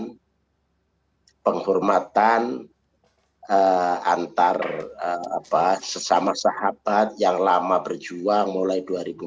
dan penghormatan antara sesama sahabat yang lama berjuang mulai dua ribu empat belas